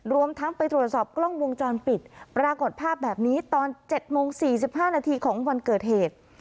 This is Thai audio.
รวมทั้งไปตรวจสอบกล้องวงจรปิดปรากฏภาพแบบนี้ตอน๗โมง๔๕นาทีของวันเกิดเหตุ